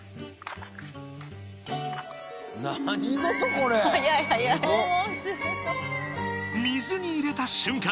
これ水に入れた瞬間